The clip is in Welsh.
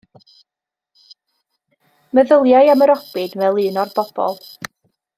Meddyliai am y robin fel un o'r bobl.